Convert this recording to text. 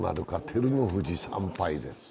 照ノ富士、３敗です。